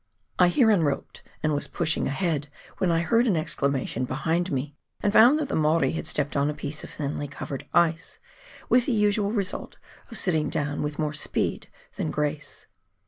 I here unroped, and was pushing ahead when I heard an exclamation behind me, and found that the Maori had stepped on a piece of thinly covered ice, with the usual result of sitting down with more speed than grace.